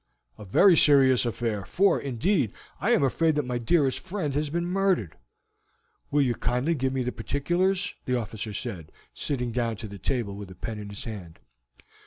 "A very serious affair, for, indeed, I am afraid that my dearest friend has been murdered." "Will you kindly give me the particulars?" the officer said, sitting down to the table with a pen in his hand.